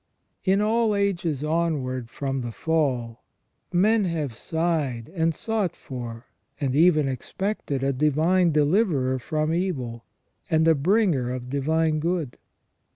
In all ages onwards from the fall men have sighed and sought for, and even expected, a Divine Deliverer from evil, and a bringer of divine good.